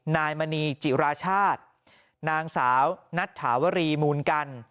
นายมณีจิราชาตินางสาวนัทถาวรีมูลกัน